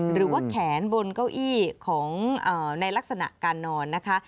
หรือว่าแขนบนเก้าอี้ของในลักษณะการนอนนะคะ